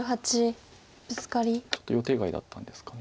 ちょっと予定外だったんですかね。